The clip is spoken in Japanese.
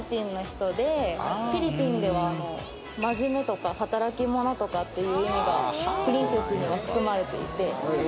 真面目とか働き者とかっていう意味がプリンセスには含まれていて。